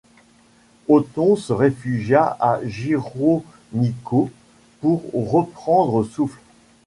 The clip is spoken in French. Otton se réfugia à Gironico, pour reprendre souffle.